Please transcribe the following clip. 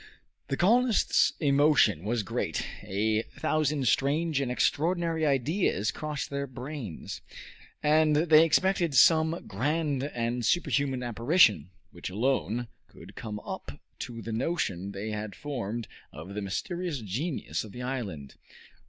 The colonists' emotion was great. A thousand strange and extraordinary ideas crossed their brains, and they expected some grand and superhuman apparition, which alone could come up to the notion they had formed of the mysterious genius of the island.